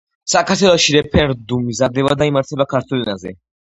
საქართველოში რეფერენდუმი მზადდება და იმართება ქართულ ენაზე.